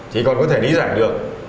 chỉ còn có thể lý giải được